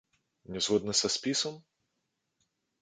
Не згодны са спісам?